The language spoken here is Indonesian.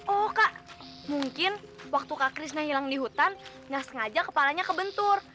oh kak mungkin waktu kak krisna hilang di hutan nggak sengaja kepalanya kebentur